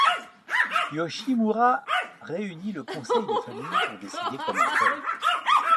Yoshimura réunit le conseil de famille pour décider comment faire.